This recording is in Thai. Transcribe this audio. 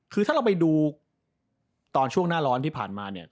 คือถ้าเราไปดูตอนช่วงหน้าร้อนที่ผ่านมาเนี่ย